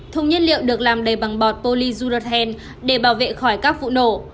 thùng nhiên liệu được làm đầy bằng bọt polyzulothane để bảo vệ khỏi các vụ nổ